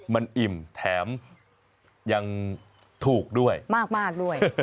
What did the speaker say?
มันอิ่มแถมยังถูกด้วยมากด้วย